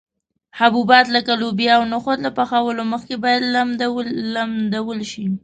حبوبات لکه لوبیا او نخود له پخولو مخکې باید لمدول شي.